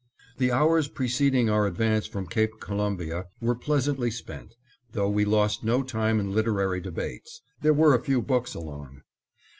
The hours preceding our advance from Cape Columbia were pleasantly spent, though we lost no time in literary debates. There were a few books along.